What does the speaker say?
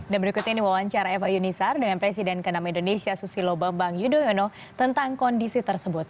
dan berikut ini wawancara eva yunisar dengan presiden kenam indonesia susilo bambang yudhoyono tentang kondisi tersebut